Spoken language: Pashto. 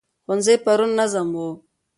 ښوونځي پرون منظم وو.